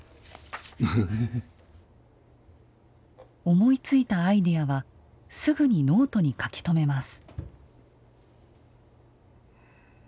思いついたアイデアはすぐにノートに書き留めます。